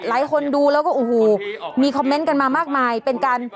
หลายคนดูแล้วก็โอ้โหมีคอมเมนต์กันมามากมายเป็นการ